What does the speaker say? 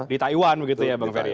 di taiwan begitu ya pak ferry ya